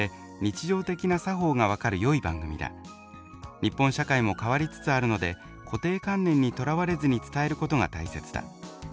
日本社会も変わりつつあるので固定観念にとらわれずに伝えることが大切だ」。